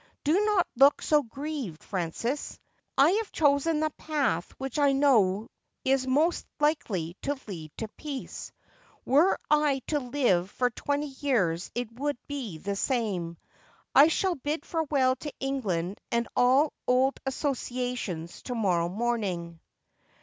Do not look so grieved, Frances. I have chosen the path which I know is most likely to lead to peace. Were I to live for twenty years it would be the same. I shall bid farewell to England and all old associations to morrow morning.'